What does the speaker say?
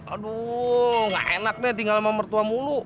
aduh gak enak deh tinggal sama mertua mulu